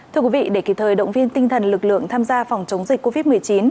thưa quý vị để kịp thời động viên tinh thần lực lượng tham gia phòng chống dịch